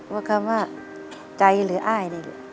ว่าคำว่าใจหรืออ้ายนี่